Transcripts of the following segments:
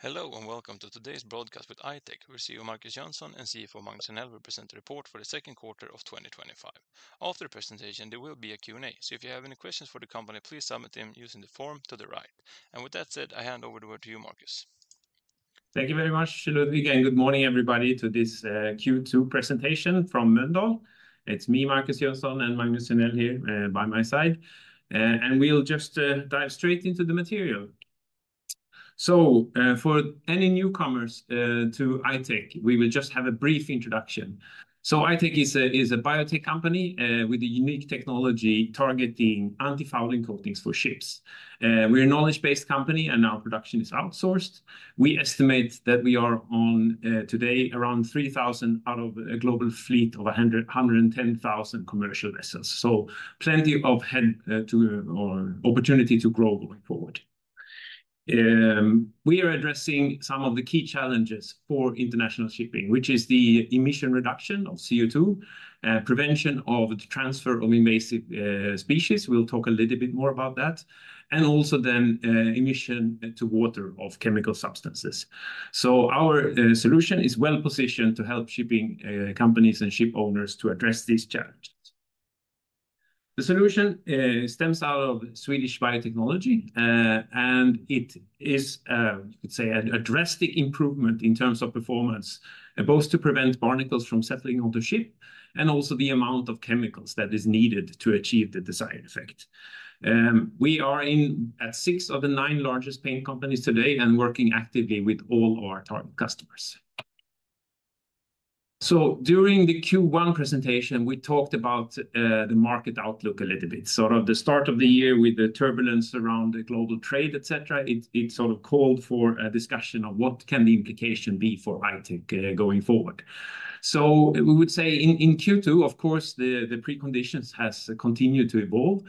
Hello and welcome to today's broadcast with I-Tech. We're here with Markus Jönsson and CFO Magnus Henell to present the report for the second quarter of 2025. After the presentation, there will be a Q&A, so if you have any questions for the company, please submit them using the form to the right. With that said, I hand over the word to you, Markus. Thank you very much. Good morning everybody to this Q2 presentation from Mölndal. It's me, Markus Jönsson, and Magnus Henell here by my side. We'll just dive straight into the material. For any newcomers to I-Tech, we will just have a brief introduction. I-Tech is a biotech company with a unique technology targeting antifouling coatings for ships. We're a knowledge-based company and our production is outsourced. We estimate that we are on today around 3,000 out of a global fleet of 110,000 commercial vessels. Plenty of head to or opportunity to grow going forward. We are addressing some of the key challenges for international shipping, which is the emission reduction of CO2, prevention of the transfer of invasive species. We'll talk a little bit more about that. Also, emission to water of chemical substances. Our solution is well positioned to help shipping companies and ship owners to address these challenges. The solution stems out of Swedish biotechnology, and it is, I'd say, a drastic improvement in terms of performance, both to prevent barnacles from settling on the ship and also the amount of chemicals that is needed to achieve the desired effect. We are in at six of the nine largest paint companies today and working actively with all of our target customers. During the Q1 presentation, we talked about the market outlook a little bit. The start of the year with the turbulence around the global trade, etc., it called for a discussion of what can the implication be for I-Tech going forward. We would say in Q2, of course, the preconditions have continued to evolve.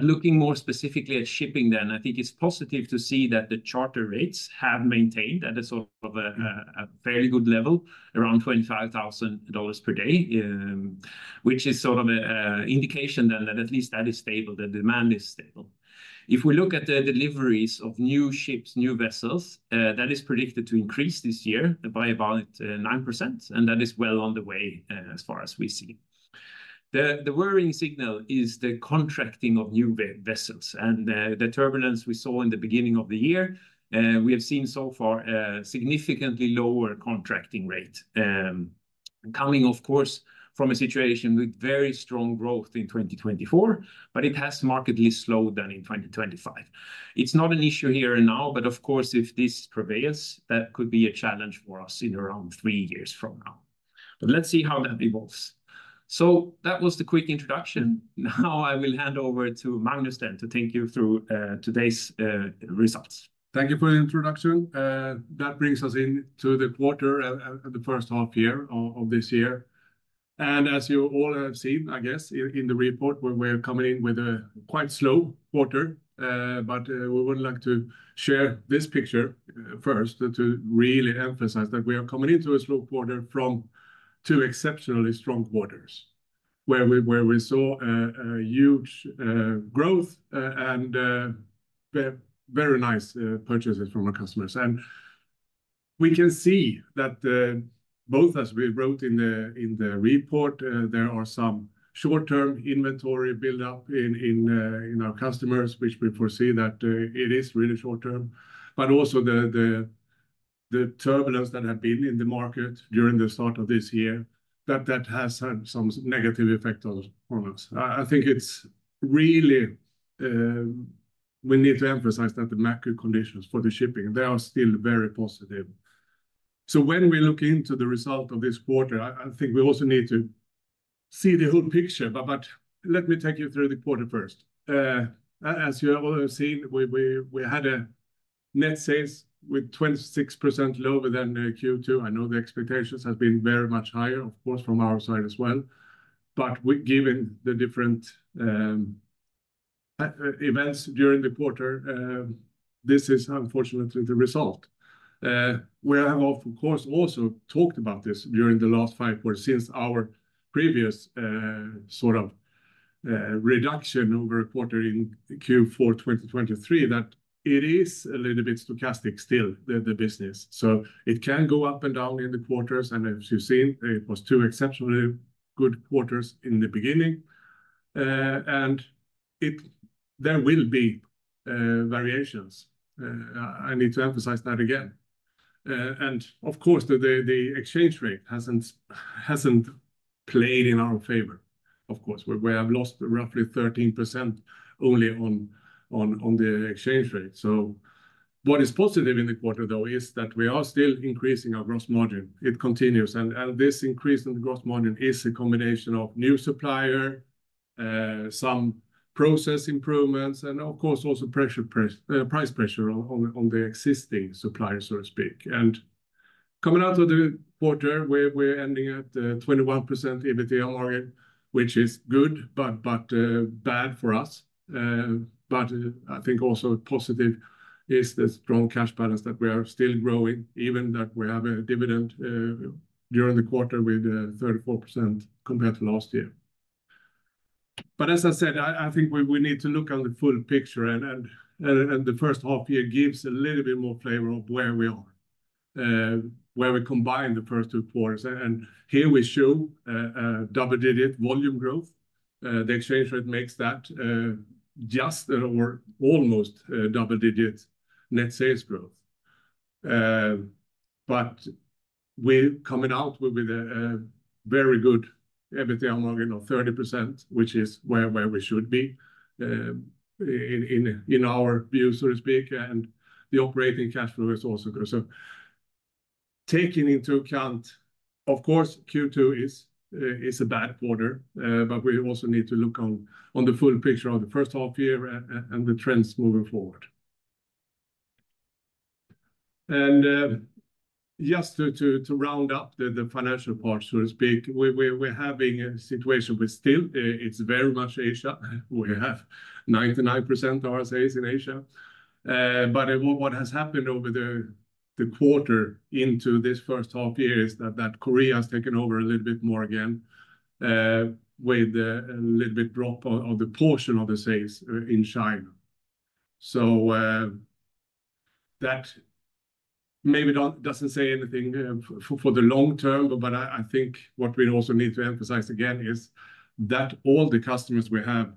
Looking more specifically at shipping then, I think it's positive to see that the charter rates have maintained at a fairly good level, around $25,000 per day, which is an indication then that at least that is stable, the demand is stable. If we look at the deliveries of new ships, new vessels, that is predicted to increase this year by about 9%, and that is well on the way as far as we see. The worrying signal is the contracting of new vessels, and the turbulence we saw in the beginning of the year, we have seen so far a significantly lower contracting rate, coming, of course, from a situation with very strong growth in 2024, but it has markedly slowed down in 2025. It's not an issue here and now, but if this prevails, that could be a challenge for us in around three years from now. Let's see how that evolves. That was the quick introduction. Now I will hand over to Magnus to take you through today's results. Thank you for the introduction. That brings us into the quarter and the first half here of this year. As you all have seen, I guess, in the report, we're coming in with a quite slow quarter, but we would like to share this picture first to really emphasize that we are coming into a slow quarter from two exceptionally strong quarters, where we saw a huge growth and very nice purchases from our customers. We can see that both, as we wrote in the report, there are some short-term inventory build-ups in our customers, which we foresee that it is really short-term. Also, the turbulence that had been in the market during the start of this year, that has had some negative effects on us. I think it's really, we need to emphasize that the macro conditions for the shipping, they are still very positive. When we look into the result of this quarter, I think we also need to see the whole picture. Let me take you through the quarter first. As you have seen, we had a net sales with 26% lower than Q2. I know the expectations have been very much higher, of course, from our side as well. Given the different events during the quarter, this is unfortunately the result. We have, of course, also talked about this during the last five quarters since our previous sort of reduction over a quarter in Q4 2023, that it is a little bit stochastic still, the business. It can go up and down in the quarters, and as you've seen, it was two exceptionally good quarters in the beginning. There will be variations. I need to emphasize that again. Of course, the exchange rate hasn't played in our favor. We have lost roughly 13% only on the exchange rate. What is positive in the quarter though is that we are still increasing our gross margin. It continues. This increase in the gross margin is a combination of new suppliers, some process improvements, and of course, also price pressure on the existing suppliers, so to speak. Coming out of the quarter, we're ending at 21% EBITDA margin, which is good, but bad for us. I think also positive is the strong cash balance that we are still growing, even that we have a dividend during the quarter with 34% compared to last year. As I said, I think we need to look at the full picture, and the first half year gives a little bit more flavor of where we are, where we combine the first two quarters. Here we show double-digit volume growth. The exchange rate makes that just or almost double-digit net sales growth. We're coming out with a very good EBITDA margin of 30%, which is where we should be in our view, so to speak. The operating cash flow is also good. Taking into account, of course, Q2 is a bad quarter, we also need to look on the full picture of the first half year and the trends moving forward. Just to round up the financial part, so to speak, we're having a situation where still it's very much Asia. We have 99% of our sales in Asia. What has happened over the quarter into this first half year is that South Korea has taken over a little bit more again, with a little bit drop of the portion of the sales in China. That maybe doesn't say anything for the long term, but I think what we also need to emphasize again is that all the customers we have,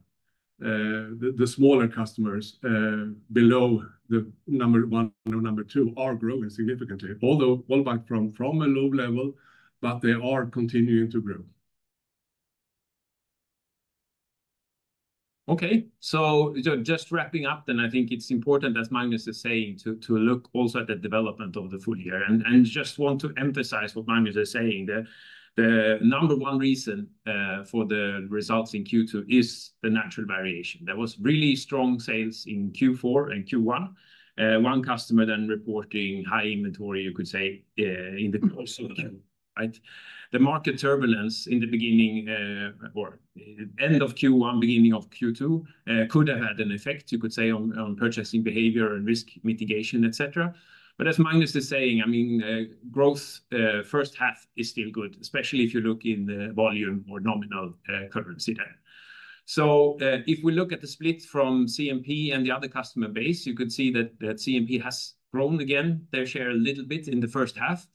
the smaller customers below the number one or number two, are growing significantly. Although all but from a low level, they are continuing to grow. Okay, just wrapping up, I think it's important, as Magnus is saying, to look also at the development of the full year. I just want to emphasize what Magnus is saying. The number one reason for the results in Q2 is the natural variation. There was really strong sales in Q4 and Q1. One customer then reporting high inventory, you could say, in the quarter. The market turbulence at the end of Q1, beginning of Q2, could have had an effect, you could say, on purchasing behavior and risk mitigation, etc. As Magnus is saying, growth first half is still good, especially if you look in the volume or nominal currency there. If we look at the split from CMP and the other customer base, you could see that CMP has grown again, their share a little bit in the first half.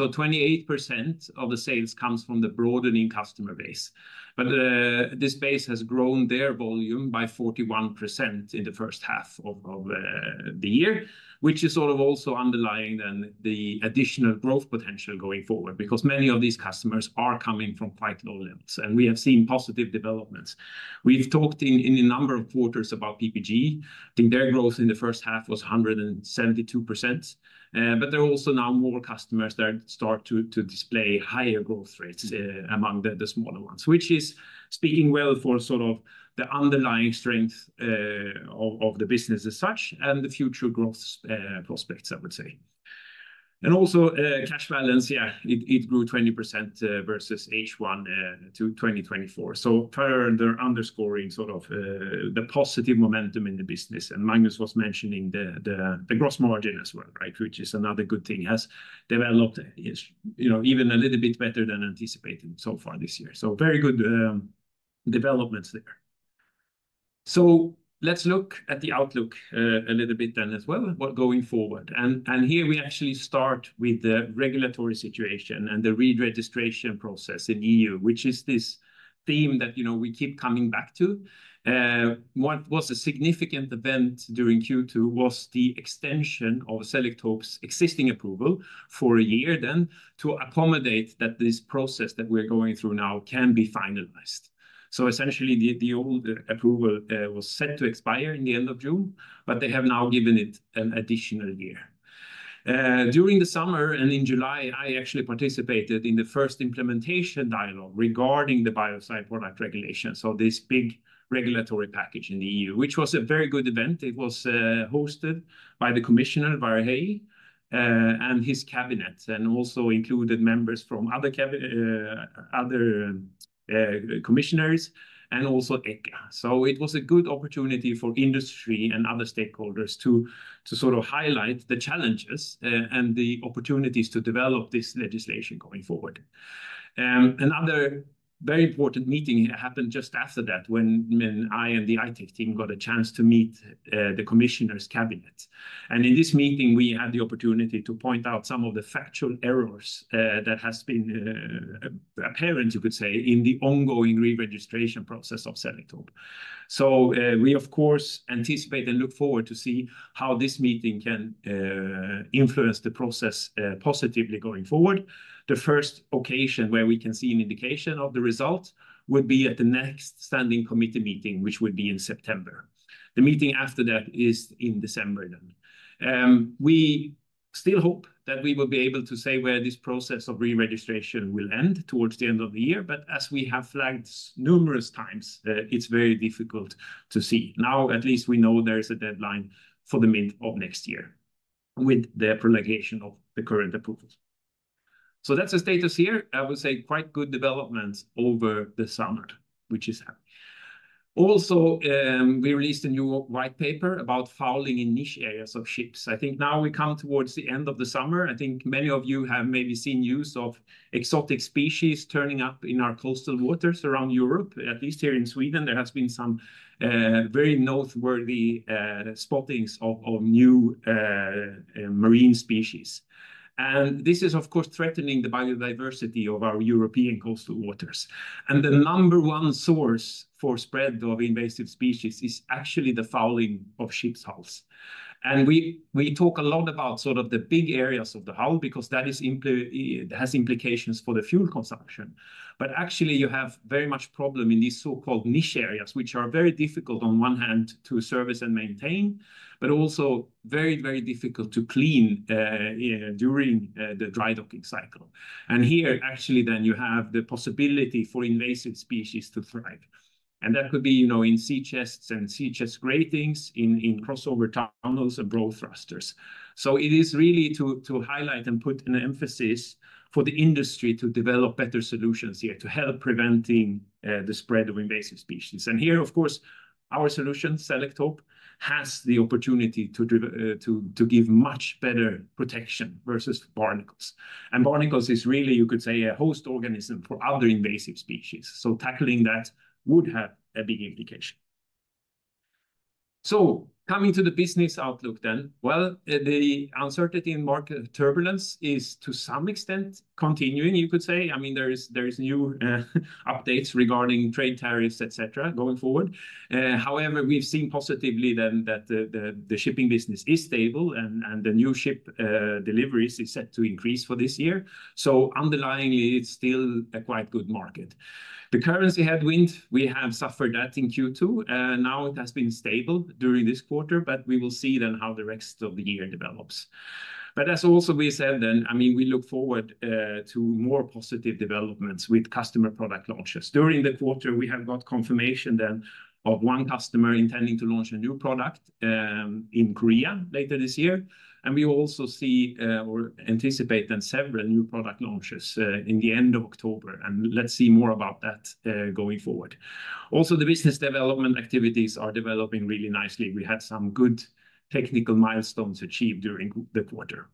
28% of the sales comes from the broadening customer base. This base has grown their volume by 41% in the first half of the year, which is also underlying the additional growth potential going forward, because many of these customers are coming from quite low levels. We have seen positive developments. We've talked in a number of quarters about PPG. I think their growth in the first half was 172%. There are also now more customers that start to display higher growth rates among the smaller ones, which is speaking well for the underlying strength of the business as such and the future growth prospects, I would say. Also, cash balance grew 20% versus H1 to 2024, further underscoring the positive momentum in the business. Magnus was mentioning the gross margin as well, which is another good thing, has developed even a little bit better than anticipated so far this year. Very good developments there. Let's look at the outlook a little bit then as well, what's going forward. Here we actually start with the regulatory situation and the re-registration process in the EU, which is this theme that we keep coming back to. What was a significant event during Q2 was the extension of Selektope's existing approval for a year to accommodate that this process that we're going through now can be finalized. Essentially, the old approval was set to expire at the end of June, but they have now given it an additional year. During the summer and in July, I actually participated in the first implementation dialogue regarding the Biocidal Product Regulation, so this big regulatory package in the EU, which was a very good event. It was hosted by the Commissioner, Várhelyi, and his cabinet, and also included members from other commissioners and also ECHA. It was a good opportunity for industry and other stakeholders to sort of highlight the challenges and the opportunities to develop this legislation going forward. Another very important meeting happened just after that when I and the I-Tech team got a chance to meet the Commissioner's cabinet. In this meeting, we had the opportunity to point out some of the factual errors that have been apparent, you could say, in the ongoing re-registration process of Selektope. We, of course, anticipate and look forward to see how this meeting can influence the process positively going forward. The first occasion where we can see an indication of the results would be at the next standing committee meeting, which would be in September. The meeting after that is in December. We still hope that we will be able to say where this process of re-registration will end towards the end of the year, but as we have flagged numerous times, it's very difficult to see. At least we know there's a deadline for the middle of next year with the prolongation of the current approval. That's the status here. I would say quite good developments over the summer, which is happening. Also, we released a new white paper about fouling in niche areas of ships. I think now we come towards the end of the summer. I think many of you have maybe seen news of exotic species turning up in our coastal waters around Europe. At least here in Sweden, there have been some very noteworthy spottings of new marine species. This is, of course, threatening the biodiversity of our European coastal waters. The number one source for spread of invasive species is actually the fouling of ship hulls. We talk a lot about sort of the big areas of the hull because that has implications for the fuel consumption. Actually, you have very much a problem in these so-called niche areas, which are very difficult on one hand to service and maintain, but also very, very difficult to clean during the dry docking cycle. Here, actually, then you have the possibility for invasive species to thrive. That could be, you know, in sea chests and sea chest gratings, in crossover tunnels and bow thrusters. It is really to highlight and put an emphasis for the industry to develop better solutions here to help prevent the spread of invasive species. Here, of course, our solution, Selektope, has the opportunity to give much better protection versus barnacles. Barnacles is really, you could say, a host organism for other invasive species. Tackling that would have a big implication. Coming to the business outlook then, the uncertainty in market turbulence is to some extent continuing, you could say. There are new updates regarding trade tariffs, etc., going forward. However, we've seen positively that the shipping business is stable and the new ship deliveries are set to increase for this year. Underlyingly, it's still a quite good market. The currency headwind, we have suffered that in Q2. Now it has been stable during this quarter, but we will see how the rest of the year develops. As also we said, we look forward to more positive developments with customer product launches. During the quarter, we have got confirmation of one customer intending to launch a new product in South Korea later this year. We will also see or anticipate several new product launches in the end of October. Let's see more about that going forward. Also, the business development activities are developing really nicely. We have some good technical milestones achieved during the quarter.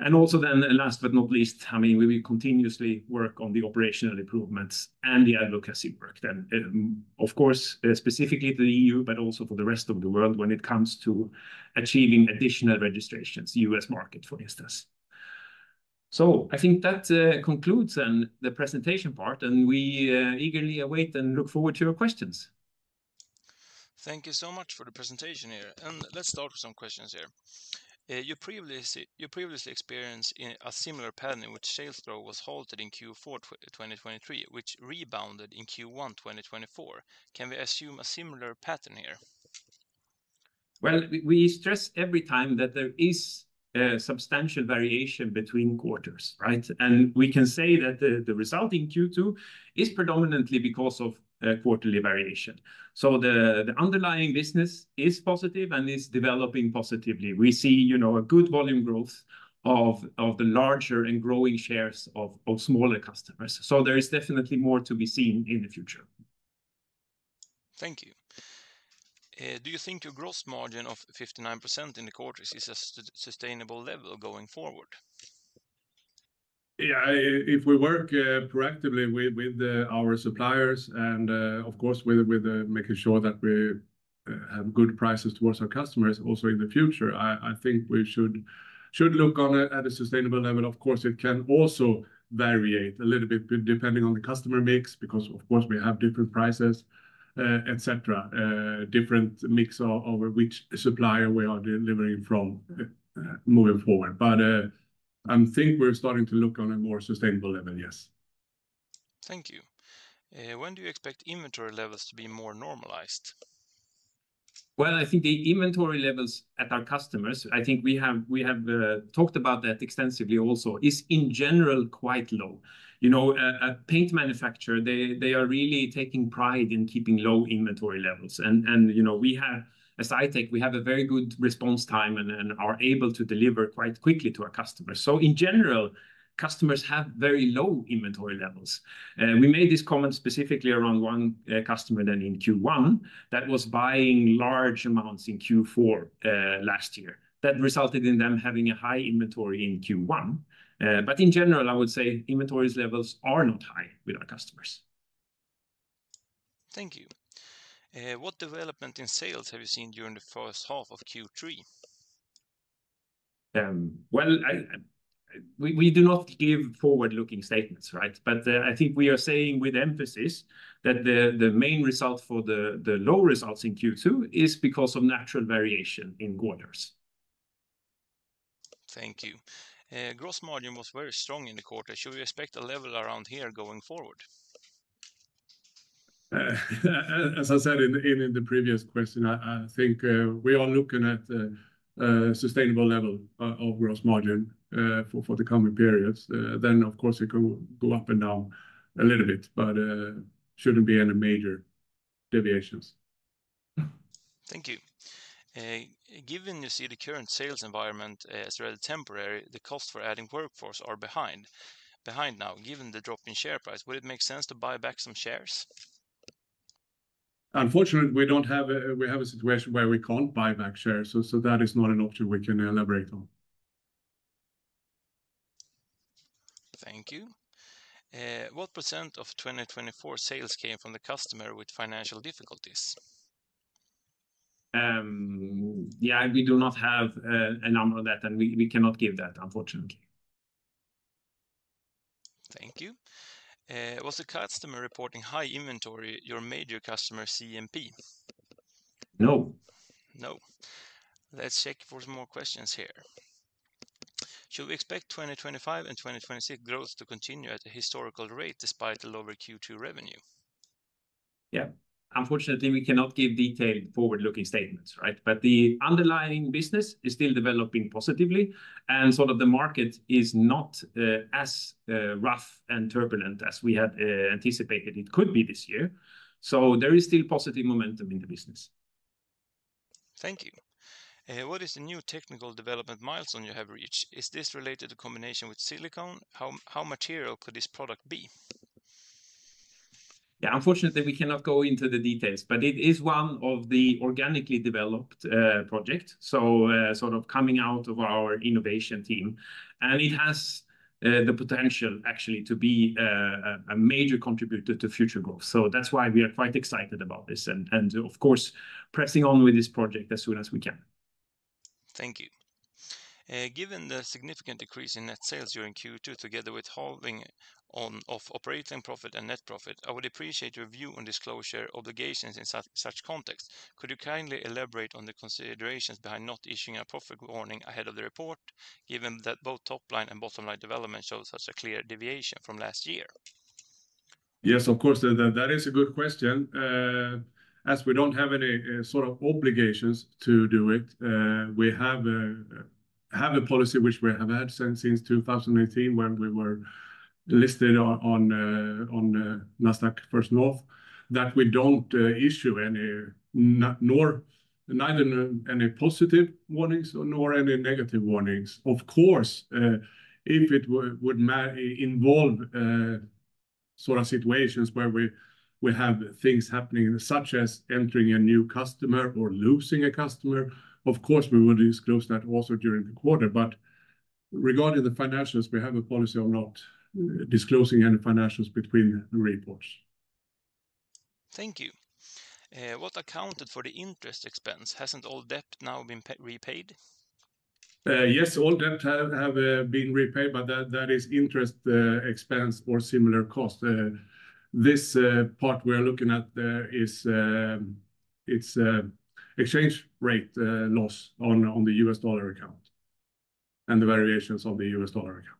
Last but not least, we will continuously work on the operational improvements and the advocacy work, of course, specifically to the EU, but also for the rest of the world when it comes to achieving additional registrations, U.S. market for instance. I think that concludes the presentation part. We eagerly await and look forward to your questions. Thank you so much for the presentation here. Let's start with some questions here. You previously experienced a similar pattern in which sales growth was halted in Q4 2023, which rebounded in Q1 2024. Can we assume a similar pattern here? There is a substantial variation between quarters, right? We can say that the result in Q2 is predominantly because of quarterly variation. The underlying business is positive and is developing positively. We see a good volume growth of the larger and growing shares of smaller customers. There is definitely more to be seen in the future. Thank you. Do you think your gross margin of 59% in the quarters is a sustainable level going forward? Yeah, if we work proactively with our suppliers and, of course, with making sure that we have good prices towards our customers also in the future, I think we should look at a sustainable level. Of course, it can also vary a little bit depending on the customer mix because, of course, we have different prices, different mix over which supplier we are delivering from moving forward. I think we're starting to look on a more sustainable level, yes. Thank you. When do you expect inventory levels to be more normalized? I think the inventory levels at our customers, I think we have talked about that extensively also, is in general quite low. You know, a paint manufacturer, they are really taking pride in keeping low inventory levels. You know, we have, as I-Tech, we have a very good response time and are able to deliver quite quickly to our customers. In general, customers have very low inventory levels. We made this comment specifically around one customer in Q1 that was buying large amounts in Q4 last year. That resulted in them having a high inventory in Q1. In general, I would say inventory levels are not high with our customers. Thank you. What development in sales have you seen during the first half of Q3? We do not give forward-looking statements, right? I think we are saying with emphasis that the main result for the low results in Q2 is because of natural variation in quarters. Thank you. Gross margin was very strong in the quarter. Should we expect a level around here going forward? As I said in the previous question, I think we are looking at a sustainable level of gross margin for the coming periods. Of course, it can go up and down a little bit, but it shouldn't be any major deviations. Thank you. Given you see the current sales environment as rather temporary, the costs for adding workforce are behind now. Given the drop in share price, would it make sense to buy back some shares? Unfortunately, we have a situation where we can't buy back shares, so that is not an option we can elaborate on. Thank you. What percent of 2024 sales came from the customer with financial difficulties? Yeah, we do not have a number on that, and we cannot give that, unfortunately. Thank you. Was the customer reporting high inventory your major customer, CMP? No. No. Let's check for some more questions here. Should we expect 2025 and 2026 growth to continue at a historical rate despite the lower Q2 revenue? Unfortunately, we cannot give detailed forward-looking statements, right? The underlying business is still developing positively, and the market is not as rough and turbulent as we had anticipated it could be this year. There is still positive momentum in the business. Thank you. What is the new technical development milestone you have reached? Is this related to a combination with silicon? How material could this product be? Yeah, unfortunately, we cannot go into the details, but it is one of the organically developed projects, sort of coming out of our innovation team. It has the potential actually to be a major contributor to future growth. That's why we are quite excited about this and, of course, pressing on with this project as soon as we can. Thank you. Given the significant decrease in net sales during Q2, together with holding on of operating profit and net profit, I would appreciate your view on disclosure obligations in such context. Could you kindly elaborate on the considerations behind not issuing a profit warning ahead of the report, given that both top-line and bottom-line development shows such a clear deviation from last year? Yes, of course, that is a good question. As we don't have any sort of obligations to do it, we have a policy which we have had since 2019 when we were listed on the NASDAQ First North that we don't issue any, nor neither any positive warnings nor any negative warnings. Of course, if it would involve situations where we have things happening, such as entering a new customer or losing a customer, we would disclose that also during the quarter. Regarding the financials, we have a policy of not disclosing any financials between the reports. Thank you. What accounted for the interest expense? Hasn't all debt now been repaid? Yes, all debts have been repaid, but that is interest expense or similar cost. This part we are looking at is exchange rate loss on the U.S. dollar account and the variations of the U.S. dollar account.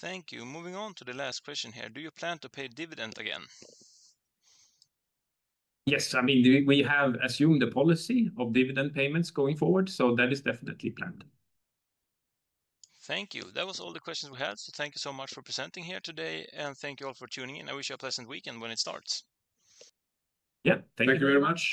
Thank you. Moving on to the last question here. Do you plan to pay dividend again? Yes, I mean, we have assumed the policy of dividend payments going forward, so that is definitely planned. Thank you. That was all the questions we had. Thank you so much for presenting here today, and thank you all for tuning in. I wish you a pleasant weekend when it starts. Thank you very much.